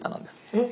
えっ！